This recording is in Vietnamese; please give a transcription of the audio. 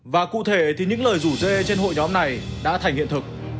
và cụ thể thì những lời rủ dê trên hội nhóm này đã thành hiện thực